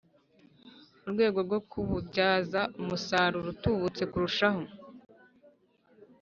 mu rwego rwo kububyaza umusaruro utubutse kurushaho